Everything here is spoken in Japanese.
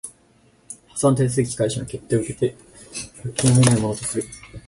破産手続開始の決定を受けて復権を得ない者